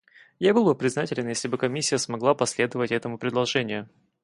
Я был бы признателен, если бы Комиссия смогла последовать этому предложению.